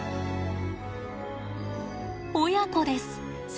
親子です。